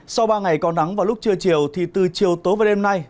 sau ba ngày có nắng vào lúc trưa chiều thì từ chiều tối và đêm nay